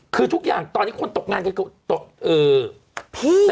คือทุกอย่างตอนนี้คนตกงานกันตกพี่